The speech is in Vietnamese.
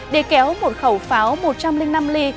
để kéo một khẩu pháo một trăm linh năm ly